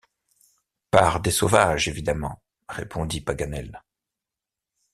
Par des sauvages, évidemment, répondit Paganel.